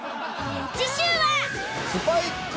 次週は。